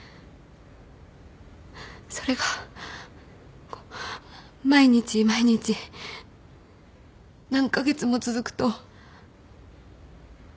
それが毎日毎日何カ月も続くと。